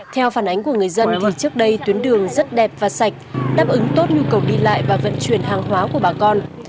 theo phản ánh của người dân thì trước đây tuyến đường rất đẹp và sạch đáp ứng tốt nhu cầu đi lại và vận chuyển hàng hóa của bà con